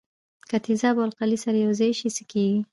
که تیزاب او القلي سره یوځای شي څه کیږي.